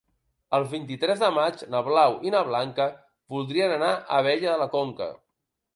El vint-i-tres de maig na Blau i na Blanca voldrien anar a Abella de la Conca.